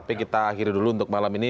tapi kita akhiri dulu untuk malam ini